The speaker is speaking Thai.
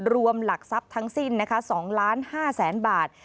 รวมหลักทรัพย์ทั้งสิ้น๒๕๐๐๐๐บาท